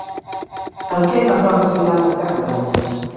Amb què es va resignar a tractar Catalunya?